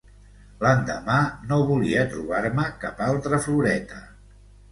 L'endemà no volia trobar-me cap altra floreta.